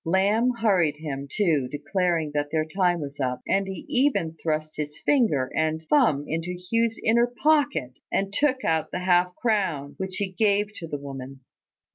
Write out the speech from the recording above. Lamb hurried him, too, declaring that their time was up; and he even thrust his finger and thumb into Hugh's inner pocket, and took out the half crown, which he gave to the woman.